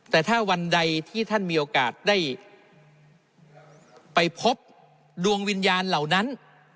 แต่ถ้าวันใดที่ท่านมีโอกาสได้ไปพบดวงวิญญาณเหล่านั้น